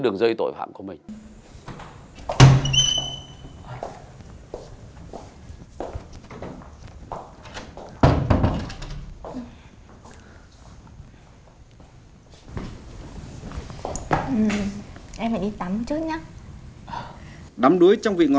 nốt lần này thôi